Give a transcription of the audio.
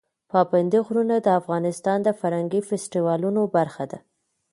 پابندي غرونه د افغانستان د فرهنګي فستیوالونو برخه ده.